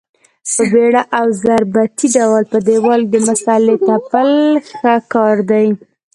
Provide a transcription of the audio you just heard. په بېړه او ضربتي ډول په دېوال د مسالې تپل ښه کار دی.